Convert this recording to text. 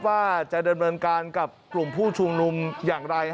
ว่าจะเดินบนการกับกลุ่มผู้ชูงรุมอย่างไร